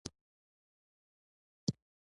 سلګونه کیلومتره لرې یې پرې زمری وويشت.